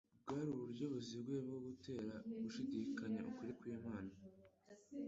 Bwari uburyo buziguye bwo gutera gushidikanya ukuri kw'Imana.